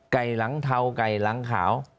หลังเทาไก่หลังขาว